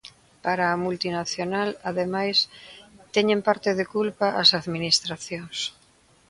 Para a multinacional, ademais, teñen parte de culpa as Administracións.